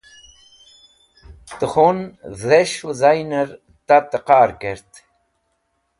Tẽ Khun Dhes̃h Wizainer Tate Qa'r kert